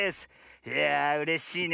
いやあうれしいね。